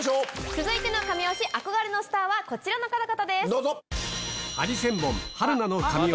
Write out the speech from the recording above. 続いての神推し憧れのスターはこちらの方々です。